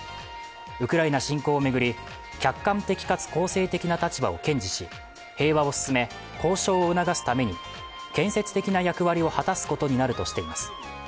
ウクライナ侵攻を巡り、客観的かつ公正的な立場を堅持し、平和を進め、交渉を促すために建設的な役割を果たすことになるとしています。